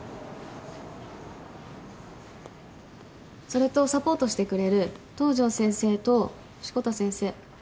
それとサポートしてくれる東上先生と志子田先生。